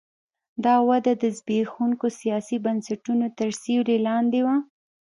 دا وده د زبېښونکو سیاسي بنسټونو تر سیوري لاندې وه.